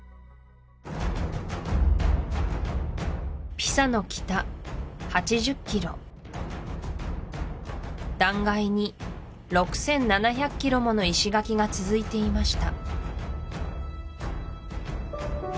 ピサの北８０ｋｍ断崖に６７００ｋｍもの石垣が続いていました